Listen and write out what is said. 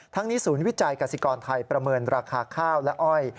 ทั้งนี้ศูนย์วิจัยกษิกรไทยประเมินราคาข้าวและอ้อย